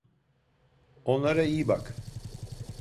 Onlara iyi bak.